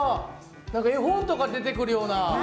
何か絵本とかに出てくるような。